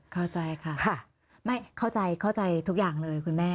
เข้าใจค่ะไม่เข้าใจเข้าใจทุกอย่างเลยคุณแม่